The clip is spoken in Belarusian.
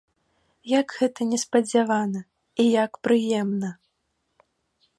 Як гэта неспадзявана і як прыемна!